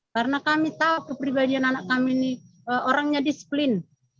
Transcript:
karena kami tahu kepribadian anak kami ini orangnya disiplin